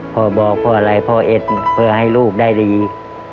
พ่อบอกพ่ออะไรพ่อเอ็ดเพื่อให้ลูกได้ดี